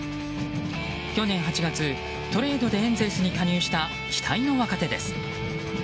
去年８月、トレードでエンゼルスに加入した期待の若手です。